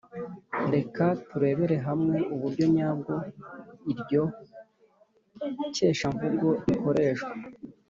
Reka turebere hamwe uburyo nyabwo iryo keshamvugo rikoreshwa.